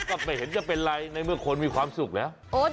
ก็ไม่เห็นจะเป็นไรในเมื่อคนมีความสุขแล้ว